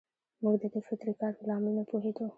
موږ د دې فطري کار په لامل نه پوهېدو.